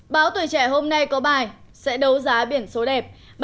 báo tuổi trẻ hôm nay có bài sẽ đấu giá biển số đẹp